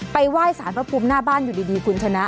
ไหว้สารพระภูมิหน้าบ้านอยู่ดีคุณชนะ